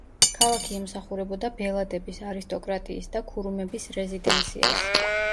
ქალაქი ემსახურებოდა ბელადების, არისტოკრატიის და ქურუმების რეზიდენციას.